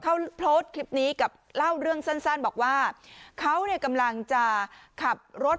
เขาโพสต์คลิปนี้กับเล่าเรื่องสั้นบอกว่าเขาเนี่ยกำลังจะขับรถ